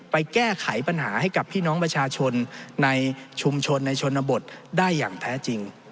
แก้ไขปัญหาให้กับพี่น้องประชาชนในชุมชนในชนบทได้อย่างแท้จริง